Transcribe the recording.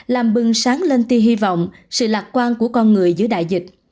làm bưng sáng lên tia hy vọng sự lạc quan của con người giữa đại dịch